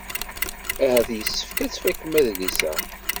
Ahat yessefk ad tfakem adlis-a.